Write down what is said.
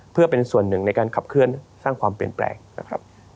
เพื่อเป็นส่วนหนึ่งในการขับเคลื่อนสร้างความเปลี่ยนแปลงนะครับ